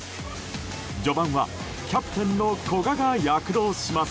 序盤はキャプテンの古賀が躍動します。